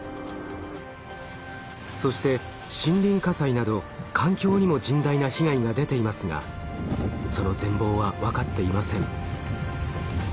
そして森林火災など環境にも甚大な被害が出ていますがその全貌は分かっていません。